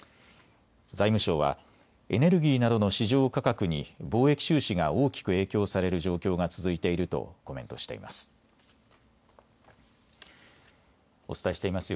財務省はエネルギーなどの市場価格に貿易収支が大きく影響される状況が続いているとコメントしています。